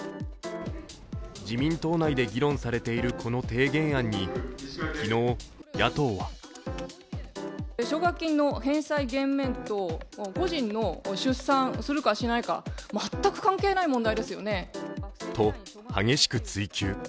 自民党内で議論されているこの提言案に昨日、野党はと、激しく追及。